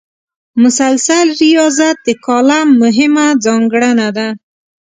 مسلسل ریاضت د کالم مهمه ځانګړنه ده.